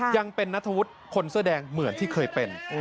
ยังเป็นนัทธวุฒิคนเสื้อแดงเหมือนที่เคยเป็น